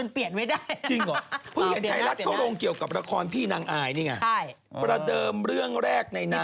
พี่กำกร์ปพี่บ้างอะกลัว